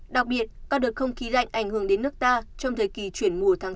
đặc biệt các đợt không khí lạnh ảnh hưởng đến nước ta trong thời kỳ chuyển mùa tháng bốn